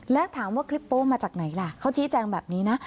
แล้วถามว่าคลิปโป๊มาจากไหนล่ะเขาชี้แจงแบบนี้นะ